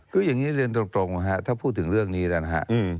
ก็อย่างนี้เรียนตรงถ้าพูดถึงเรื่องนี้นะครับ